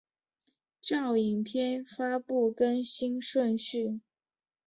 照影片发布更新顺序